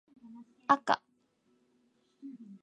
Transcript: あか